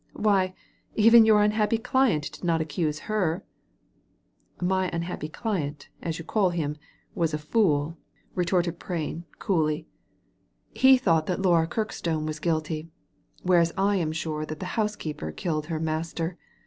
" Why, even your unhappy client did not accuse her. *" My unhappy client, as you call him, was a fool, retorted Fiain, coolly; "he thought that Laura Digitized by Google MR. PRAIN, SOLICITOR 8i Kirkstone was guilty, whereas I am sure that the housekeeper killed her master.